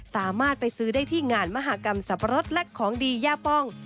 สามารถไปซื้อได้ที่งานมหากรรมสับปะรดและของดีย่าป้อง